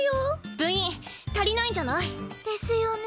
部員足りないんじゃない？ですよね。